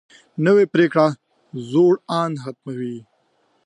نوې پریکړه زوړ اند ختموي